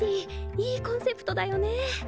いいコンセプトだよね。